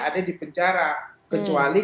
ada di penjara kecuali